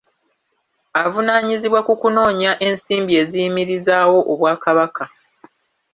Avunaanyizibwa ku kunoonya ensimbi eziyimirizaawo Obwakabaka.